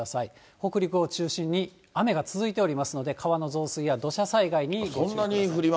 北陸を中心に雨が続いておりますので、川の増水や土砂災害にご注意ください。